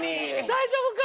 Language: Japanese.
大丈夫か。